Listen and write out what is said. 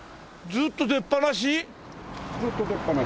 ずっと出っぱなし。